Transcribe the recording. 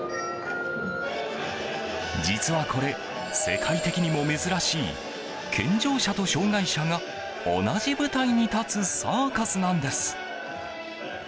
実はこれ、世界的にも珍しい健常者と障害者が同じ舞台に立つサーカスなんです。